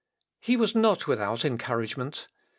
He was not without encouragement.